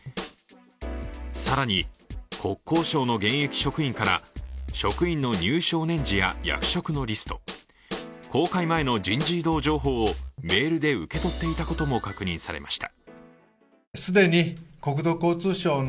更に、国交省の現役職員から職員の入省年次や役職のリスト、公開前の人事異動情報をメールで受け取ったことも確認されました。